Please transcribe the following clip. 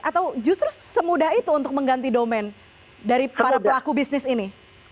atau justru semudah itu untuk mengganti domain dari para pelaku bisnis ini